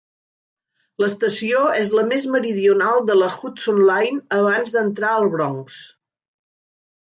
L'estació és la més meridional de la Hudson Line abans d'entrar al Bronx.